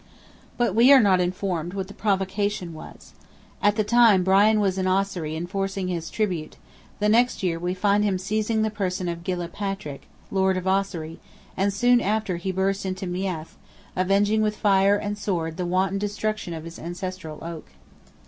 But we are not informed what the provocation was. At the time Brian was in Ossory enforcing his tribute; the next year we find him seizing the person of Gilla Patrick, Lord of Ossory, and soon after he burst into Meath, avenging with fire and sword the wanton destruction of his ancestral oak.